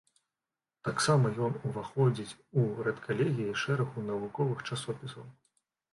Таксама ён уваходзіць у рэдкалегіі шэрагу навуковых часопісаў.